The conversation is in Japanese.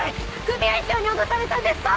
組合長に脅されたんですか？